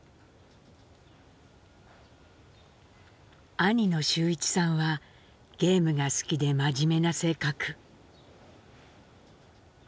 兄の舟一さんはゲームが好きで真面目な性格。